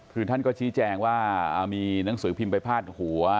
คือท่านก็ชี้แจงว่ามีหนังสือพิมพ์ไปพาดหัว